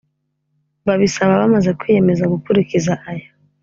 babisaba bamaze kwiyemeza gukurikiza aya